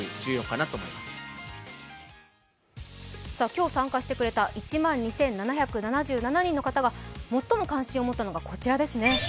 今日参加してくれた１万２７７７人の方が最も関心を持ったのがこちらですね。